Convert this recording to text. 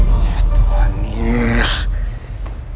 kamu jangan berlebihan kayak begitu dong